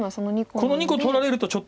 この２個取られるとちょっと。